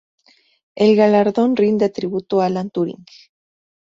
El galardón rinde tributo a Alan Turing.